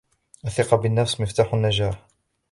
الثقة بالنفس مفتاح النجاح.